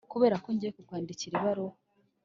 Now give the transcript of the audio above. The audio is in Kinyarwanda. kuberako ngiye kukwandikira ibaruwa,